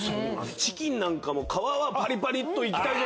チキンなんか皮はパリパリっといきたいじゃないですか。